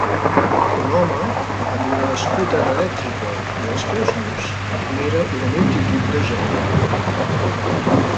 Un home amb una escúter elèctrica i els peus nus mira una multitud de gent.